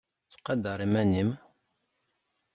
Ttqadar iman-im!